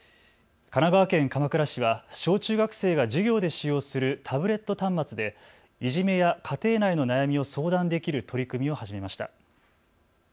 神奈川県鎌倉市は小中学生が授業で使用するタブレット端末でいじめや家庭内の悩みを相談できる取り組みを始めました。